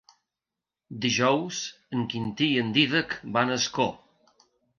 Dijous en Quintí i en Dídac van a Ascó.